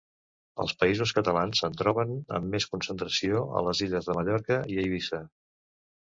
Als Països Catalans se'n troben amb més concentració a les illes de Mallorca i Eivissa.